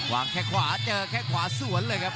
แค่ขวาเจอแค่ขวาสวนเลยครับ